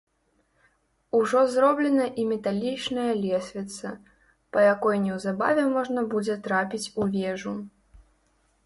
Ужо зроблена і металічная лесвіца, па якой неўзабаве можна будзе трапіць у вежу.